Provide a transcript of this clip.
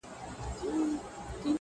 يو چا تضاده کړم، خو تا بيا متضاده کړمه،